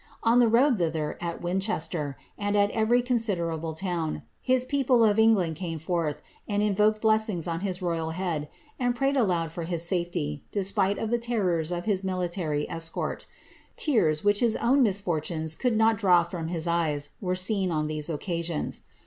On the road thither, at Winchester, and at every considerable t')vn, his people of England came forth and invoked blessings on his f'Hal head, and prayed aloud for his safety, despite of the terrors of his Niiary escort' Tears, which his own misfortunes could not draw from ^■'■* eves, were seen on these occasions.